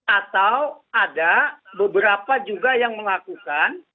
atau ada beberapa juga yang melakukan